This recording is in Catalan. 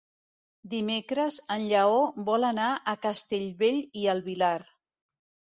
Dimecres en Lleó vol anar a Castellbell i el Vilar.